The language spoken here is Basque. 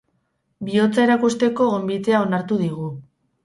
Bihotza erakusteko gonbitea onartu digu.